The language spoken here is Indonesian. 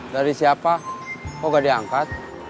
dari siapa kok gak diangkat